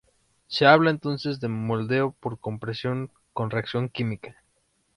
Se habla entonces de "moldeo por compresión con reacción química".